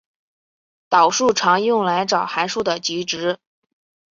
导数常用来找函数的极值。